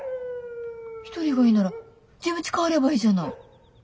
１人がいいなら自分ち帰ればいいじゃない。